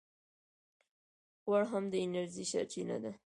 غوړ هم د انرژۍ سرچینه ده